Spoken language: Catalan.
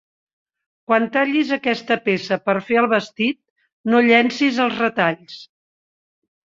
Quan tallis aquesta peça per fer el vestit, no llencis els retalls.